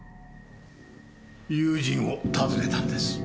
友人を訪ねたんです。